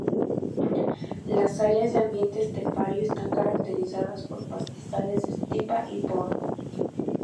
Las áreas de ambiente estepario están caracterizadas por pastizales de "stipa" y "poa".